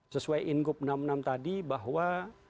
sesuai ingup enam puluh enam tadi bahwa